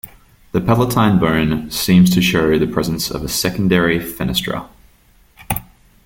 The palatine bone seems to show the presence of a secondary fenestra.